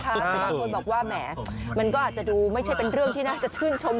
แต่บางคนบอกว่าแหมมันก็อาจจะดูไม่ใช่เป็นเรื่องที่น่าจะชื่นชม